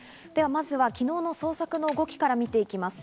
まずは昨日の捜索の動きから見ていきます。